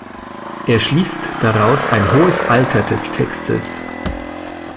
Er schließt daraus ein hohes Alter des Textes.